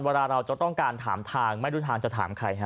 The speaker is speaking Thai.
เวลาเราจะต้องการถามทางไม่รู้ทางจะถามใครฮะ